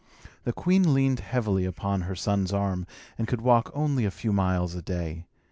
The queen leaned heavily upon her son's arm, and could walk only a few miles a day.